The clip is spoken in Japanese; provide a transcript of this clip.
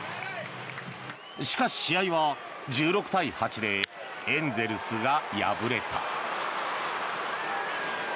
しかし、試合は１６対８でエンゼルスが敗れた。